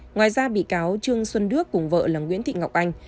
ngoài ra bị cáo trương xuân đức cùng vợ là nguyễn thị ngọc anh